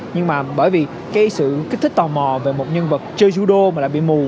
nhưng mà bởi vì cái sự kích thích tò mò về một nhân vật chơi judo mà là bị mù